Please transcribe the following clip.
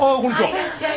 いらっしゃい。